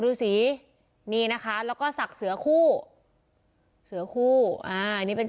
อุทธิวัฒน์อิสธิวัฒน์